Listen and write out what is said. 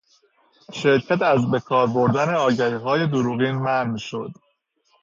شرکت از به کار بردن آگهیهای دروغین منع شد.